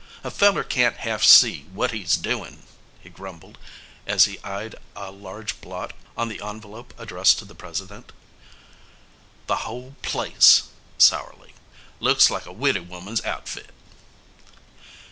A feller can't half see what he's doin'," he grumbled as he eyed a large blot on the envelope addressed to the President. "The whole place," sourly, "looks like a widdy woman's outfit."